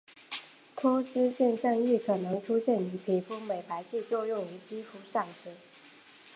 脱失现象亦可能出现于皮肤美白剂作用于肌肤上时。